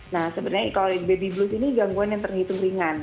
nah sebenarnya kalau baby blue ini gangguan yang terhitung ringan